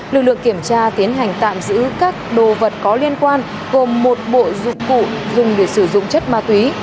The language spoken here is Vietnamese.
lực lượng kiểm tra tiến hành tạm giữ các đồ vật có liên quan gồm một bộ dụng cụ dùng để sử dụng chất ma túy